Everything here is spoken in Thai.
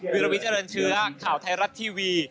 วิลวิเจริญเชื้อข่าวไทยรัฐทีวี